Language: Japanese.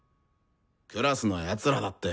クラスの奴らだって。